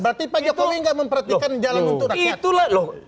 berarti pak jokowi nggak memperhatikan jalan untuk rakyat